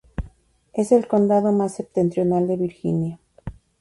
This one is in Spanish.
Es el condado más septentrional de Virginia.